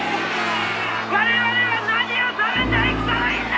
我々は何を食べて生きたらいいんだ！